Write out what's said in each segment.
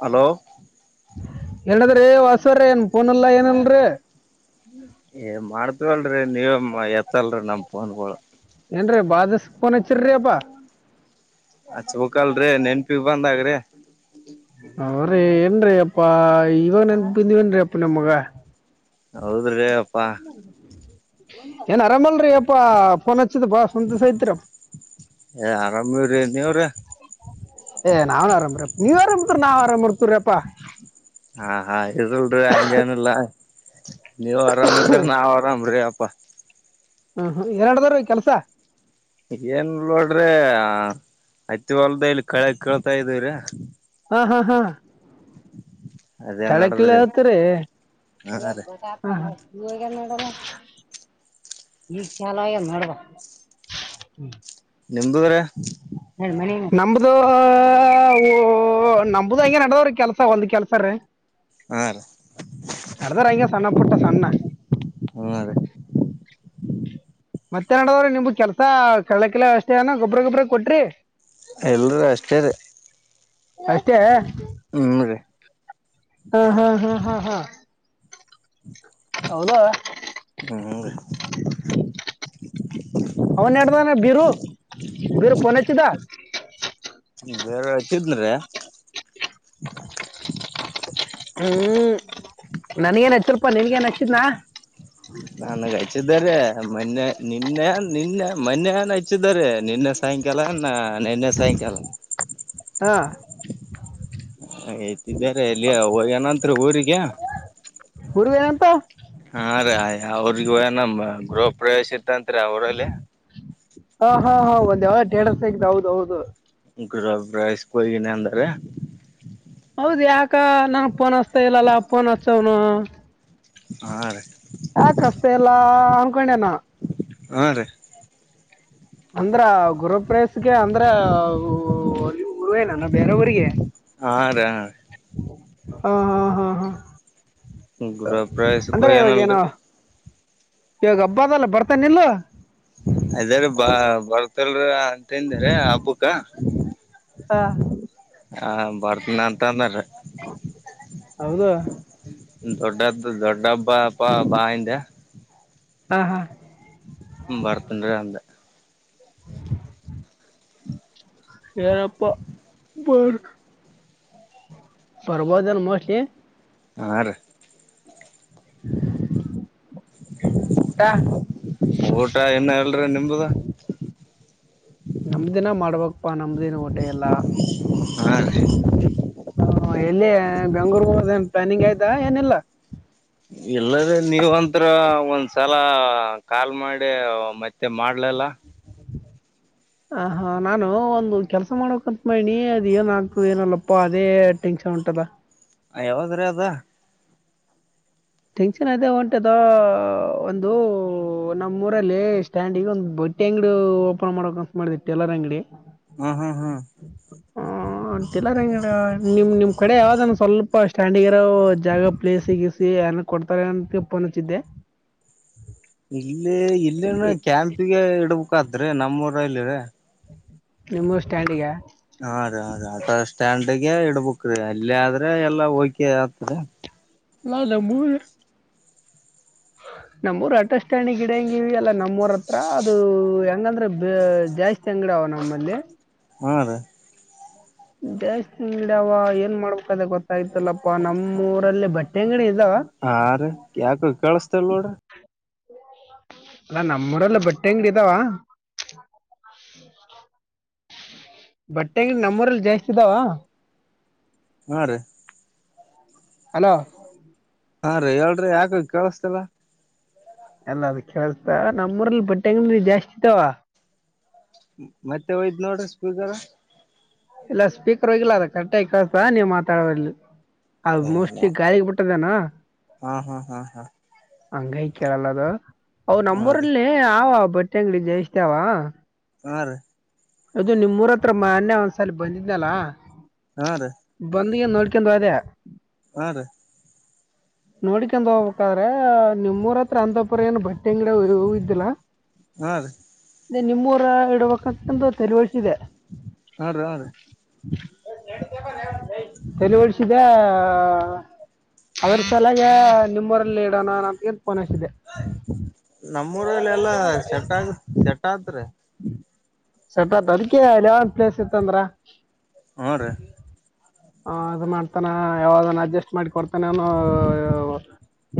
Hello ಏನದ್ರ ಏ ಹೊಸರ ಏನ್ಫೋನಲ್ಲಾ ಏನಲ್ರೀ ಏ ಮಾಡ್ತವಲ್ರಿ ನೀವೇ ಎತ್ತಲ್ರರಿ ನಮ್ಮ ಫೋನ್ಗಳು ಏನ್ರೀ ಬಾದಸ್ಕನ್ ಹಚ್ಚಿ್ರಿ ಅಪ್ಪಾ. ಆ ಚ ಬಕಲ್ರರಿ ನೆನ್ಪಿಿಗೆ ಬಂದಗ್ರಿ. ಅವ್ರೀ ಏನ್ರೀ ಅಪ್ಪಾ ಇವಾಗ ನನ್ ಬಿಂದ್ವೇನ್ ಅಪ್ಪ ನಿಮಗ ಹೌದ್ರೀ ಅಪ್ಪಾ ಏ ಅರಮಲ್ರಿೀಪ್ಪ ಅಪ್ಪ ಫೋನ್ಚ್ಚಿದ ಬಾ ಸಂತ ಸ ಹತ್ರ ಏ ಆರಾಮಿವ್ರಿ ನೀವ್ರಿ ಏ್ ನಾವ್ನ್ ಆರಾಮ್್ರ ನೀವ್ ಆರಾಮ್ತ ನಾವ್ ಆರಾಮ್ ಇರ್ತ್ರಪ್ಪಾ ಹ ಹಾ ಇರಲ್ರಿ ಹಂಗೇನಿಲ್ಲ ನೀವ್ ಆರಾಮಿದ್ರ ನಾವ್ ಆರಾಮ್ರಿ ಅಪ್ಪಾ ಹ್ಮ ಹ ಎರಡದಾರ ಕೆಲಸ? ಏನ್ ನೋಡ್ರಿ ಅಐತಿ ಹೊಲ್ದ ಇಲ್ಲಿ ಕಳ ಕೇಳ್ತಾ ಇದವ್ರ ಹಾ ಹಾ ಹಾ ಅದೇ ಕಳ ಕಳ ನಡದ್ರಿ ಹತ್ರಿೀ ಹಾ ರೀ ಈಗ್ ಚಲ ನೋಡ್ಬೇಕ್ಮ ನಿಮ್ದಿದ್ರೆ ನಮ್ದ ನಮ್ದ ಹಂಗಗೆ ನಡದಾವ್ರೀ ಕೆಲ್ಸ ಒಂದ್ ಕೆಲ್ಸ ರೀ. ಹ ರ ಅದರಂಗ ಸಣ್ಣ ಪುಟ್ಟ ಸಣ್ಣೆ ಹ್ಮ ಅ ರೀ ಮತ್ತೆನಡದಾವ್ರೆ ನಿಮ್ಗ್ ಕೆಲ್ಸ ಕಳ ಕಿ ಅಷ್ಟೇಏ ಗೊಬ್ಬ್ರ ಗೊಬ್ಬ್ರ ಕೊಟ್ರಿ? ಎಲ್ರೂ ಅಷ್ಟೇ ರೀ ಅಷ್ಟೇ ಹ್ಮ್ ರೀ ಹ್ಮ್ ಹ್ಮ್ ಹ್ಮ್ ಹ್ಮ್ ಹಾ ಹೌದ ಹ್ಮ್ ಅವನ್ ಎಡ್ದಾನ ಬಿೀರು ಬಿೀರು ಪೊನಚ್ಚಿದ ಬೇರೆ ಹಚ್ಚಿದ್ರೀ ಹ್ಮ್ ನನ್ಗ ಏನ್ ಹತ್ತರಪಾ ನಿನ್ಗ ನ್ ಹಚ್ಚಿದ್ನಾ ನನ್ಗೆ ಹಚ್ಚಿದ್ದಾರೆ ಮೊನ್ನೆ ನಿನ್ನೆ ನಿನ್ನೆ ಮೊನ್ನೆನ್ ಹಚ್ಚಿದ್ದಾರೆ ನಿನ್ನೆ ಸಾಯಂಕಾಲ ನ ನಿನ್ನೆ ಸಾಯಂಕಾಲ ಹ ಯ್ತಿದ್ದಾರೆ ಎಲ್ಲಿ ಏನಂ ಊರಿಗೆ ಹುರ್ವೇನಂತ ಹಾ ರೀ ಅವ್ರಿಗಏ ನಮ ಗೃಹ ಪ್ರವೇಶ ಇತ್ತಂರಿ ಅವರಲ್ಲಿ ಹಾ ಹಾ ಹ ಒಂದ ಅವಡರ ಹೌದು ಹೌದು ಗಬ್ಬ್ರ ಇಸ್ಕಯಗನ ಅಂದರೆ ಹೌದ್ ಯಾಕ ನಂ ಪೋನ್ ಹಚ್ತಾ ಇಲ್ಲಲ್ಲ ಪೋನ್ ಹಚ್ಚವ್ನು ಹಾ ರೀ ಯಾಕ ಅಷ್ಟ ಎಲ್ಲಾ ಅನ್ಕೊಂಡೆನಾ ಹಾ ರೀ ಅಂದ್ರ ಗುರುಪಯಸ್ಗೆ ಅಂದ್ರ ಅಲ್ಲಿ ಊೇನಾನ ಬೇರೆ ಊರಿಗೆ ಹಾ ರ ಹ ಹಾ ಹಾ ಹಾ ಹಾ ಗೃಹ ಪ್ರವೇಶಕ್ ಅಂದ್ರೆ ಇವಾಗನ ಹೋಗ್ಯನಲ್ರಿ ಇವಾಗ ಹಬ್ಬದಲ್ಲ ಬರ್ತನೆ ನಿಲ್ಲ ಅದಾರ ಬಾ ಬರ್ತಲ್ರ ಅಂತಂದ್ರ ಹಬ್ಬಕ್ಕ ಹಾ ಹ ಬರ್ತನ ಅಂತ ಅಂದ್ರ ಹೌದಾ ದೊಡ್ಡ ದೊಡ್ಡ ಬ ಬಾ ಆಿಂದ ಹಾಂ ಹಾಂ ಬರ್ತನ್ರರಿ ಅಮ್ದ ಯಾರಪ್ಪ ಬ ಪರ್ವದನ್ ಮಲಿ ಹಾಂ ರೀ ಊಟ ಊಟ ಇನ್ನ ಎಲ್ರ ನಿಮದ ನಮ ದಿನ ಮಾಡ್ಬಪ್ಪಾ ನಮ್ದಿನ ಹೊಟೆ ಎಲ್ಲ ಹಾ ರೀ ಹ ಎಲ್ಲಿ ಬೆಂಗಗಳೂರ್ಗ ಪ್ಲಾನಿಂಗ್ ಆಯ್ತಾ ಏನಲ್ಲಾ ಇಲ್ಲದೆೇ ನೀವಂತರ ಒಂದ್ಸಲ ಕಾಲ್ ಮಾಡಿ ಮತ್ತೆ ಮತ್ತು ಮಾಡಲಲ್ಲ ಹ ಹಾ ನಾನು ಒಂದು ಕೆಲಸ ಮಾಡಕಂತ ಮನಿ ಅದ ಏನ ಆಗ್ತದ ಏನಲ್ಲಪ್ಪ ಅದೇ ಟಿಂಗ್ ಉಂಟದಾ ಯಾವದ್ರೀ ಅದ ಟೆನ್ಷನ್ ಅದದೆ ಹೊಂಟದ ಒಂದು ನಮ್ಮೂಊರಲ್ಲಿ ಎಷ್ಟ ಸ್ಟ್ಯಾಂಡ್ ಈಗ ಒಂದು ಬಟ್ಟಿ ಅಂಗಡಿ ಓಪನ್ ಮಾಡಕ್ ಅನ್ಸ ಮಾಡಿದೆ ಟಲರ್ ಅಂಗಡಿ ಹ್ಮ ಹಾ ಹ್ಮ್ ಹ ಅಂತಲ್ಲ ರ ಅಂಗಡ ನಿಮ್ ನಿಮ್ ಕಡೆ ಯಾವ್ದ ಸ್ವಲ್ಪ ಸ್ಟ್ಯಾಂಡಗರೋ ಜಾಗ ಪ್ಲೇಸ್ ಸಿಗಿಸಿ ಅ ಕೊಡ್ತಾರೆ ಅಂತಪ್ಪನಚ್ದ್ದೆ ಇಲ್ಲಿ ಇಲ್ಲಿನ ಇಲ್ಲಿ ಕ್ಯಾಂಪಗೆ ಇಡ್ಬೇಕಕ್ಾದ್ರೀ ನಮ್ಮೂಊರ ಇಲ್ಲಿರ ನಿಮ್ಮ ಸ್ಟ್ಯಾಂಡ್ಗ ಹಾ ರೀ ರೀ ಆಟೋ ಸ್ಟ್ಯಾಂಡ್ಗೆ ಇಡ್ಬುಕ್ ರೀ ಅಲ್ಲಿ ಆದ್ರೆ ಎಲ್ಲಾ ಹೋಗಕಿ ಆತರಿ ನಾದ ಹ ನಮ್ಮೂಊರು ಅಟಸ್ಟ್ಯಾಂಡಿಗೆ ಗಿಡಂಗಿವವಿ ಅಲ್ಲ ನಮ್ಮೂರ ಹತ್ರ ಅದು ಹೆಂಗಂದ್ರೆ ಜಾಸ್ತಿ ತಂಗಡ ಅವ ನಮ್ಮಂದೆ ಹಾ ರೀ ಜಾಸ್ತಿ ಅಂಗಡ ಅವ ಏನ್ ಮಾಡ್ಬೇಕಾದ ಗೊತ್ತಾಗತಲ್ಲಪ್ಪಾ ನಮ್ಮ ಊರಲ್ಲಿ ಬಟ್ಟೆ ಅಂಗಡಿ ಇದ ಹಾ ರ ಯಾಕ ಕೇಳಸ್ತೇಲ್ ನೋಡ ಅಲ್ಲಾ ನಮ್ಮೂರಲ್ಲ ಬಟ್ಟೆ ಅಂಗಡಿ ಇದಾವ ಹ್ಮ್ ಬಟ್ಟೆಂಗ ನಮ್ಮೂರಲ್ಲಿ ಜಾಸ್ತಿ ಇದಾವ ಹಾ ರೀ ಅಲೋ ಹಾನ್ ರೀ ಹೇಳ್ರಿ ಯಾಕ ಕೇಳಿಸತಲ್ಲ ಅಲ್ಲ ಅದ ಕೇಳ್ತಾ ನಮ್ಮೂರಲ್ಲಿ ಬಟ್ಟೆ ಅಂಗಿ ಜಾಸ್ತಿ ಇತಾವ ಮತ್ತೆ ಒಯ್ದ್ ನೋಡ ಬೂದಾರ ಇಲ್ಲ ಸ್ಪೀಕರ್ ಹೋಗಿಲ್ಲ ಅದ ಕರೆಕ್ಟ್ ಆಗಿ ಕಳತಾ ನೀವ್ ಮಾತಾಡೋ ಇಲ್ಲಿ ಅದು ಮೋಸ್ಟ್ಲಿ ಗಾಯಕಪಟ್ಟದಾನ ಹಾ ಹಾ ಹಾ ಹಾ ಹಂಗೈ ಕೇಳಲ್ಲದು ಅ ಹಾ ರೀ ನಮ್ಮೂಊರಲ್ಲಿ ಏ ಅವ ಬಟ್ಟೆ ಅಂಗಡಿ ಜಯಿಸತೇ ಅವ ಹಾ ರೀ ಅದು ನಿಮ್ರ ಹತ್ರ ಮಾನ್ಯ ಒಂದ್ಸಲ ಬಂದಿದ್ನಲ್ಲಾ ಹಾ ರೀ ಬಂದ ಏನ್ ನೋಡ್ಕೊಂಡ ಅದೇ ಹಾ ರೀ ನೋಡಿಕಂಡ ಹೋಗ್ಬೇಕಾದ್ರ ನಿಮ್ಮ್ರ ಹತ್ರ ಅಂಪುರ ಏನು ಬಟ್ಟೆ ಅಂಗಡ ಇದ್ದಿಲ್ಲಾ ಹಾ ರೀ ನಿಮ್ಮೂರ ಇಡ್ಬೇಕಂತಂದು ತೆರಿವಳಸಿದೆ ಹಾ ರೀ ಹಾ ರೀ ತಳುವಳಸಿದ ಅವ ಚಲಾಗ ನಿಮ್ಮವರಲ್ಲಿ ಇಡೋಣ ಅಂತ ಪನಸಿದೆ ನಮ್ಮೂಊರಲ್ಲಿ ಎಲ್ಲಾ ಸೆಟ್ ಆಗ ಸೆಟ್ತ್ ಸಪತ್ ಅದಕ್ಕೆವ ಪ್ಲೇಸ್ ಇತ್ತಂದ್ರ ಹ್ಞೂ ರೀ ಹ ಅದು ಮಾಡ್ತಾನ ಯಾವದನ್ನು ಅಡ್ಜಸ್ಟ್ ಮಾಡಿ ಕೊಡ್ತಾನ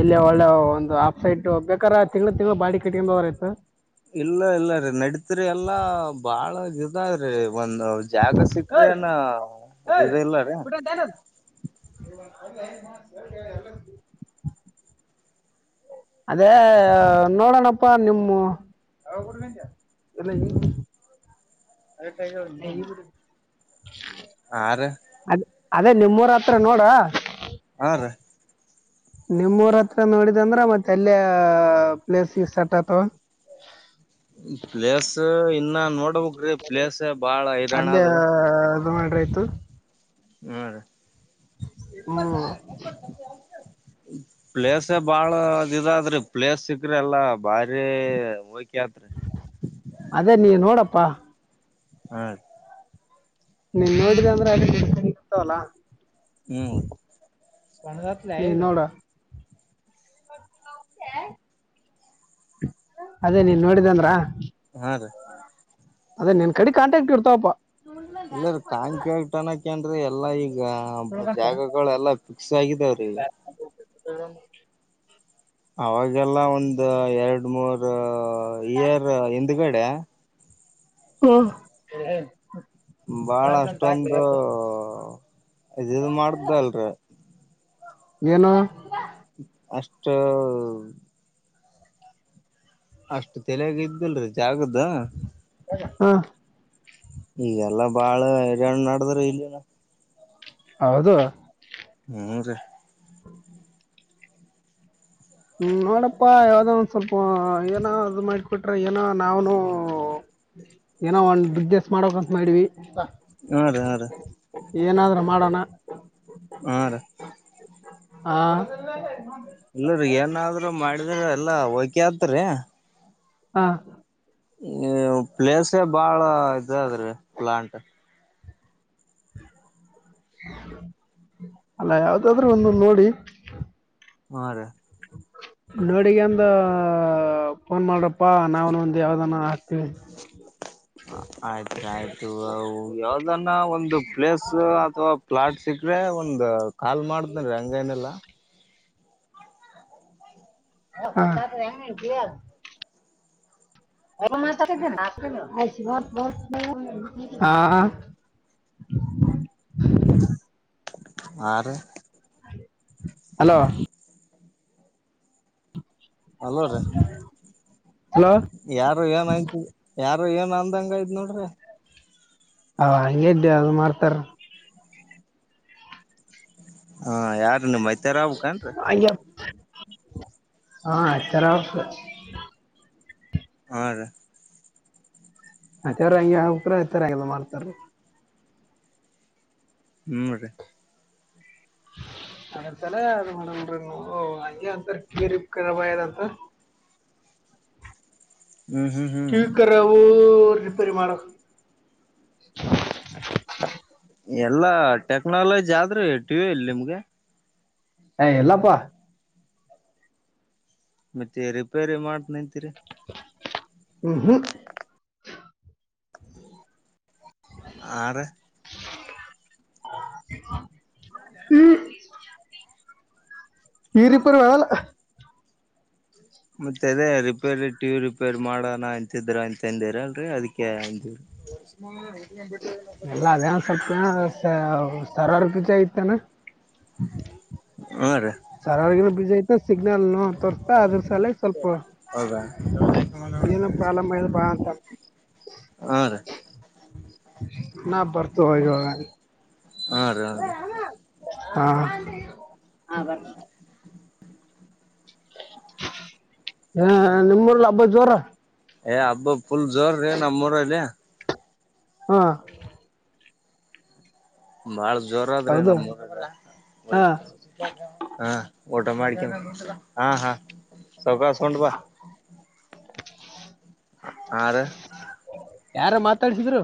ಇಲ್ಲಿ ಒಳ್ಳೆ ಒಂದು ಆಫ್ಸೈಡ್ ಬೇಕಾದ್ರ ತಿಂಗ್ಗಳು ತಿಂಗಳು ಬಾಡಿ ಕಟ್ಟಕವರ ಆಯತು ಇಲ್ಲ ಇಲ್ಲ ರೀ ನಡೀತ್ರಿ ಎಲ್ಲಾ ಬಾಳಗ್ರೀ ಒಂದ್ ಜಾಗ ಸಿಕ್ಕ್ರಏನ ಇದ ಇಲ್ಲರಿ ದ ಸರಿ ಎಲ್ಲ ಅದೇ ನೋಡೋಣಪ್ಪಾ ನಿಮ್ಮ ಅದ ಕ ಆರು ಅದ ಅದೇ ನಿಮ್ಮೂರ ಹತ್ರ ನೋಡ್ರ ಆ ರ ನಿಮಮ್ಮೂರ ಹತ್ರ ನೋಡಿದಂದ್ರ ಮತ್ತೆ ಎಲ್ಲಿ ಪ್ಲೇಸ್ ಇ ಸಟ್ತ ಪ್ಲೇಸ್ ಇನ್ನ ನೋಡ್ಬಕ್ ಪ್ಲೇಸ್ ಬಾಳ ಹೈರರಣ ಆದ್ರಿ ಮಾಡಿರ ಆಯತು ಹ್ಮ ರ ಹ್ಮ್ ಹ್ಮ ಪ್ಲೇಸ್ ಬಾಳ ಇದಾದ್ರಿ ಪ್ಲೇಸ್ ಸಿಕ್ಕ್ರಿ ಎಲ್ಲಾ ಬಾರಿ ಹಕಿತ್ರಿ ಅದೇ ನೀ ನೋಡಪ್ಪಾ ಹ್ಮ ನೀನ್ ನೋಡಿದ ಅಂದ್ರೆ ಅಲ್ಲಿ ಇಗ್ತವಲ್ಲಾ ಹ್ಮ್ ಸ್ಣ ನವರ ಅದೇ ನೀನ್ ನೋಡಿದಂದ್ರ ಹಾ ರೀ ಅದೇ ನಿನ್ ಕಡೆ ಕಂಟ್ಯಾಕ್ಟ್ ಇಡ್ತಾವಪ್ಪಾ ಇಲ್ಲರೀ ಕಾಂಕಿಗ್ ನಕೇಏನ್ೀ ಎಲ್ಲಾ ಈಗ ಜಾಗ ಗಳ ಎಲ್ಲಾ ಿಕ್ಸ್ ಆಗಿದಾವ್ರೀ ಹ ಅವಾಗೆಲ್ಲ ಒಂದ ಎರಡು ಮೂರ್ ಇಯರ್ ಹಿಂದ್ಗಡೆ ಹ್ಮ ಬಾಳ ಅಷ್ಟೊಂದು ಇದದು ಮಾಡ್ದ ಅಲ್ರಿ ನುೋ ಅಷ್ಟ ಅಷ್ಟು ತಲಾಗ ಇದ್ದಲ್ರಿ ಜಾಗದ ಹಾ ಈಗೆಲ್ಲಾ ಬಾಳಾಣ ನಡದ್ರ ಇಲ್ಲಿನ ಹೌದು ಹ್ಮಞೂ ರೀ ಹ್ಮ ನೋಡಪ್ಪಾ ಯಾವದೋ ಒಂದ ಸ್ವಲ್ಪ ಏನೋ ಅದು ಮಾಡಿಕೊಟ್ರೆ ಏನೋ ನಾವೂ ಏನೋ ಒಂದ್ ಬಿಸ್ನೆಸ್ ಮಾಡಕ್ಂತ ಮಾಡಿವಿ ಹಾ ರೀ ಹಾ ರೀ ಏನಾದ್ರೂ ಮಾಡೋಣ ಹಾ ರೀ ಆ ನ ಎಲ್ಲರಿ ಏನಾದ್ರರು ಮಾಡಿದ್ರ ಎಲ್ಲಾ ಹೋಕೆ ಆತರಿ ಹಾ ಪ್ಲೇಸೇ ಬಾಳ ಇದ ಅದ್ರೀ ಪ್ಲಾಂಟ್ ಅಲ್ಲ ಯಾವ್ದಾದ್ರೂ ಒಂದು ನೋಡಿ ಹ ರ ನೋಡಿಗ ಅಂದ ಫೋನ್ ಮಾಡ್ರಪ್ಪಾ ನಾವನ್ ಒಂದ ಯಾವ್ದಾನ ಹಾಕ್ತಿೀವಿ ಆಯ್ತ್ ಆಯ್ತು ಯಾವ್ದನ್ನ ಒಂದು ಪ್ಲೇಸ್ ಅಥವಾ ಪ್ಲಾಟ್ ಸಿಗ್ರೆ ಒಂದು ಕಾಲ್ ಮಾಡ್ತನ್ೀ ಹಂಗ ಏನೆಲ್ಲ ಹಸಾದ ಹೆಂಗ ಹತಿಯಾ ಹತ ನಾಚ ಆ ಹಲೋ ಅಲ್ಲ ರೀ ಹಲೋ ಯಾರು ಏನ್ಯ್ತ್ ಯಾರು ಏನ್ ಅಂದಂಗ ಆಯ್ ನೋಡ್ರಿ ಹ ಹಂಗಗೆ ಇದೆ ಅದು ಮಾಡ್ತಾರ ಹಾ ಯಾರು ನಿ್ತ ಅಯ ಹಾ ತರ ಹ ರ ಮತ್ತವ್ರ ಹಂಗಗೆ ಹೋಗಕ್ರ ಇ ಹಂಗಲ್ಲ ಮಾಡ್ತಾರ ಹ್ಮ್ೀ ಅದ್ ಒಂದ್ ಸಲ ಏನು ಮಾಡಲ್ರಿ ನೀವು ಹಂಗೆ ಅಂತರ ಗಿರೀಕ್ಕರ ಬಯಲಯ್ತು ಹ್ಮ್ ಹ್ಮ್ ಹ್ಮ್ ವು ರಿಪೇರಿ ಮಾಡದು ಅನಿಂಟೆಲಿಜಬಲ್ ಎಲ್ಲ ಟೆಕ್ನಾಲಜಿ ಆದ್ರೀ ಟಿವಿ ಇಲ್ಲ ನಿಮ್ಗೆ ಏ ಎಲ್ಲಪ್ಪಾ ಮತ್ತೆ ರಿಪೇರಿ ಮಾಡ್ತ ನಿಂತೀರಿ ಹುಹೂ ಹಾ ರೆ ಹ್ಮ್ ಈರಿಪೆರಿಯಗಲ್ಲ ಮತ್ತ ಅದೇ ರಿಪೇರಿ ಟಿವಿ ರಿಪೇರಿ ಮಾಡೋಣ ಅಂತಿದ್ರ ಅಂತಂದರಲ್ರಿ ಅದಕ್ಕೆ ಅಂದಿ ಸ್ಮಾಲ್ ಏತ್ಕಂಡಿ ಎಲ್ಲ ಅದೇನೊ ಸಲ್ಪ್ ದಿನ ಸ ಸರ್ವ ರೂಪಿಚೆ ಐತೇನಾ ಹ ರೀ ಸರ್ವರ್ ಗಿರ್ವರ್ ಬಿಜಿ ಐತ ಸಿಗ್ನಲ್ ನೊ ತೋರಿಸ್ತ್ತ ಅದ್ರ ಸಲಿ ಸ್ವಲ್ಪ ರ ಯಾವ ಹೋಗಿ ಆಕಂಡ್ ಬಂದವೆ ಏನೋ ನೋಡ್ ಪ್ರಾಬ್ಲಮ್ ಆಗಿದೆ ಬಾ ಅಂತ ನಾ ಭರ್ತು ವೊ ಇವಾಗ ಹಾ ರ ಹಾ ರೀ ಹಾ ಹ ಬ ಹಾ ನಿಮ್ಮೂರ್ ಹಬ್ಬ ಜೋರ ಏ ಹಬ್ಬ ಪುಲ್ ಜೋರ ರೀ ನಮ್ಮರ ಇಯಾ ಹಾ ಬಾಳ ಜೋರ ಅದ ರಿ ಹೌದು ನಮೂರಾಗ ಹಾ ಹಾ ಊಟ ಮಾಡ್ಕೇನಿ ಹಾ ಹಾ ಸ್ವ ಪೊಂಡವಾ ಆರ ಯಾರ ಮಾತಾಡ್ಸಿದ್ರು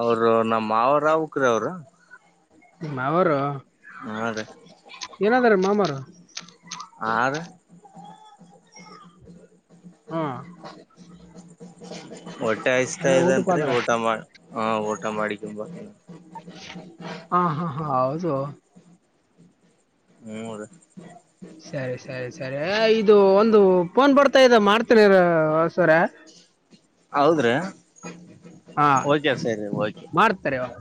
ಅವರು ನಮ್ಮ ಮಾವರಾವುಕ್ರಿ ಅವರು. ನಿಮ್ ಮಾವರು ಹಾ ಅದೇ ಏನಾದ್ರ ಮಾಮರು ಆರ ಹ್ಮ್ ಹೊಟ್ಟೆ ಹಸೀತ ಇದೆ ಅಂತ್ರಿ, ಹೋದ್ರ ಊಟ ಮಾಡ ಹಾ ಊಟ ಮಾಡಿಕಂಬತ್ತಿನಿ ಹಾ ಹಾ ಹಾ ಹೌದು ಹು ಅದ ಸರಿ ಸರಿ ಸರಿ ಏ ಇದು ಒಂದು ಫೋನ್ ಬರ್ತಾ ಇದೆ ಮಾಡ್ತಿನಿರ ಸರ ಹೌದ್ರಿ ಹಾ ರಿ ಸರಿ ರಿ ಮಾಡ್ತಾರೆ ಇವಾಗ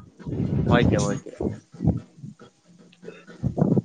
ಓಕೆ ಓಕೆ [inaudible]